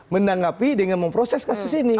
menanggapi dengan memproses kasus ini